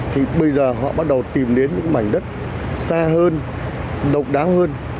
thì bây giờ họ bắt đầu tìm đến những mảnh đất xa hơn độc đáo hơn